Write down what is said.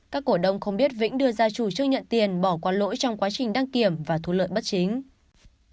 các cổ đông không biết vĩnh đưa ra chủ trương nhận tiền bỏ qua lỗi trong quá trình đăng kiểm và thu lợi bất chính